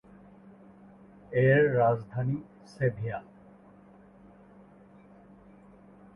এর রাজধানী সেভিয়া।